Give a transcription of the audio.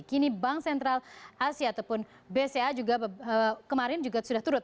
kini bank sentral asia ataupun bca juga kemarin juga sudah turut